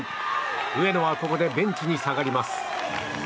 上野はここでベンチに下がります。